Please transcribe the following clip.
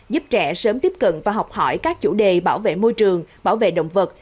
giúp trẻ sớm tiếp cận và học hỏi các chủ đề bảo vệ môi trường bảo vệ động vật